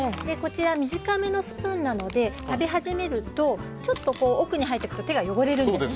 短めのスプーンなので食べ始めるとちょっと奥に入っていくと手が汚れるんです。